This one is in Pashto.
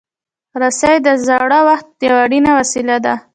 رسۍ د زاړه وخت یو اړین وسیله ده.